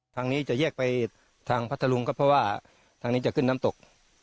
ทางนี้จะแยกไปทางพัทธรุงก็เพราะว่าทางนี้จะขึ้นน้ำตก